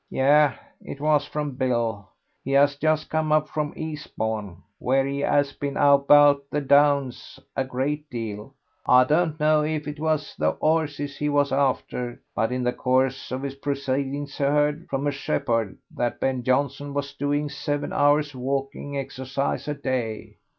"Yes, it was from Bill. He has just come up from Eastbourne, where he 'as been about on the Downs a great deal. I don't know if it was the horses he was after, but in the course of his proceedings he heard from a shepherd that Ben Jonson was doing seven hours' walking exercise a day.